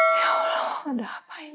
minuh juga belum telfon